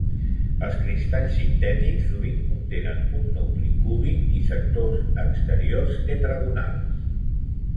Els cristalls sintètics sovint contenen un nucli cúbic i sectors exteriors tetragonals.